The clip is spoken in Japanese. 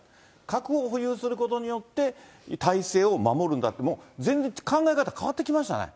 核を保有することによって、体制を守るんだって、全然考え方、変わってきましたね。